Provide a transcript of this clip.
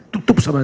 tutup sama dokter